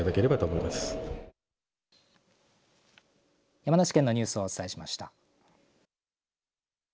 山梨県のニュースをお伝えしました。